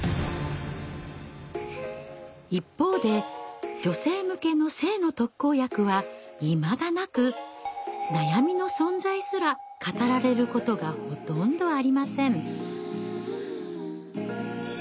一方で女性向けの性の特効薬はいまだなく悩みの存在すら語られることがほとんどありません。